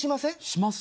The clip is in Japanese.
します。